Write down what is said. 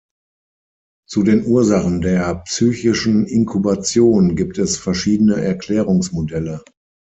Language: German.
Zu den Ursachen der psychischen Inkubation gibt es verschiedene Erklärungsmodelle.